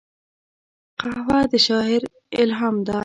قهوه د شاعر الهام ده